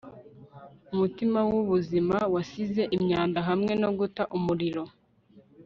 Umutima wubuzima wasize imyanda hamwe no guta umuriro